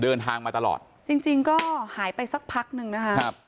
เดินทางมาตลอดจริงจริงก็หายไปสักพักหนึ่งนะคะครับ